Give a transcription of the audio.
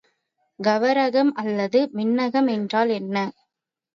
கவரகம் அல்லது மின்னகம் என்றால் என்ன?